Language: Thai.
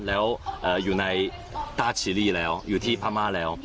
แล้วอยู่ในต้าซีรีส์แล้วอยู่ที่พม่าแล้ว